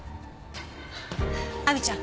亜美ちゃん